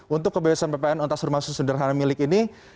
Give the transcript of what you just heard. untuk pembebasan ppn atas rumah susun sederhana milik ini